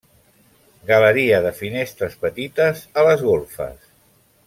Galeria de finestres petites a les golfes.